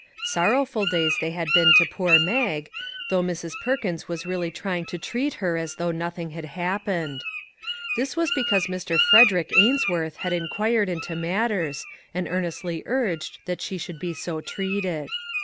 Sorrowful days they had been to poor Mag, though Mrs. Perkins was really trying to treat her as though nothing had happened. This was because Mr. Frederick Ainsworth had inquired into matters, and earn estly urged that she should be so treated.